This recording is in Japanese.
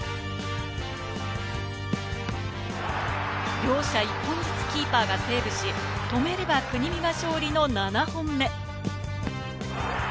両者１本ずつキーパーがセーブし、止めれば国見が勝利の７本目。